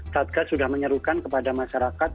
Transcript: satgas sudah menyerukan kepada masyarakat